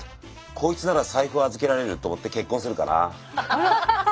こいつなら財布預けられると思って結婚するかな。